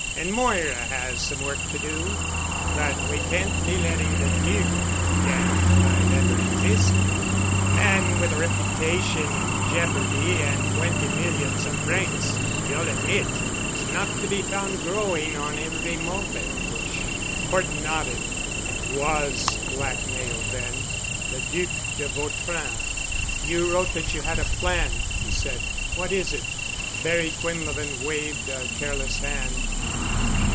And Moira has some work to do. But we can't be letting the Duc forget I've ever existed. A man with a reputation in jeopardy and twenty millions of francs, you'll admit, is not to be found growing on every mulberry bush." Horton nodded. It was blackmail then. The Duc de Vautrin—— "You wrote that you had a plan," he said. "What is it?" Barry Quinlevin waved a careless hand.